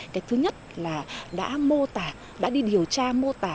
cái thứ nhất là đã mô tả đã đi điều tra mô tả